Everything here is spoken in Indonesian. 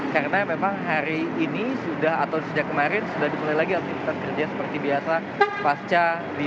karena memang hari ini sudah atau sejak kemarin sudah dimulai lagi aktivitas kerja seperti biasa